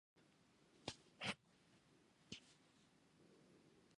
کوچنی کوچنی ګېلې چې تکرار شي ،اخير په حقيقت بدلي شي